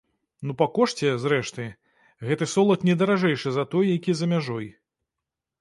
Ну, па кошце, зрэшты, гэты солад не даражэйшы за той, які за мяжой.